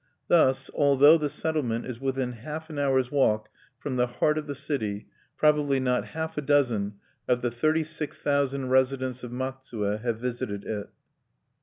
Thus, although the settlement is within half an hour's walk from the heart of the city, probably not half a dozen of the thirty six thousand residents of Matsue have visited it.